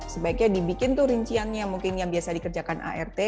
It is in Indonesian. sebaiknya dibikin tuh rinciannya mungkin yang biasa dikerjakan art